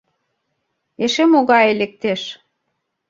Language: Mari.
Эше могае лектеш?..